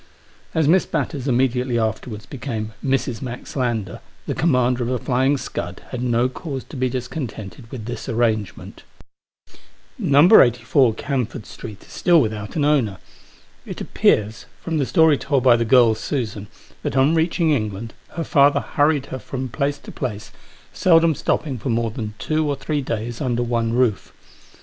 As Miss Batters immediately afterwards became Mrs. Max Lander, the commander of The Flying Scud had no cause to be discontented with this arrangement. No. 84, Camford Street is still without an owner. It appears, from the story told by the girl, Susan, that on reaching England, her father hurried her from place to place, seldom stopping for more than two or three days under one roof.